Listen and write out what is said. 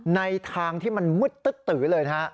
ในทางที่มันมืดตึ๊ดตื๋อเลยนะคะ